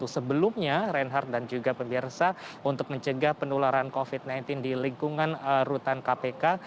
sebelumnya reinhardt dan juga pemirsa untuk mencegah penularan covid sembilan belas di lingkungan rutan kpk